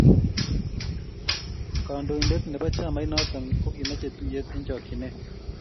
kandointet ne bo chamait noto ko kimiche tuye eng chokchinee